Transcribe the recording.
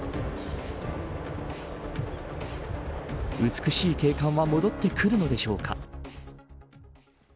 美しい景観は戻ってくるのでしょうか。